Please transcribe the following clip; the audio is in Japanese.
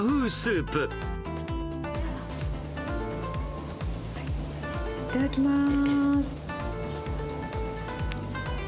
いただきます。